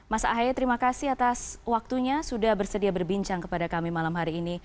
mas ahaye terima kasih atas waktunya sudah bersedia berbincang kepada kami malam hari ini